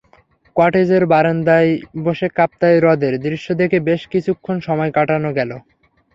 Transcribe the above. কটেজের বারান্দায় বসে কাপ্তাই হ্রদের দৃশ্য দেখে বেশ কিছুক্ষণ সময় কাটানো গেল।